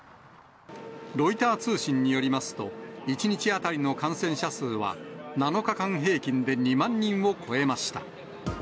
ロイター通信によりますと、１日当たりの感染者数は７日間平均で２万人を超えました。